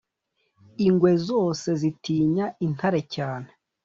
Ingwe zose zitinya intare cyane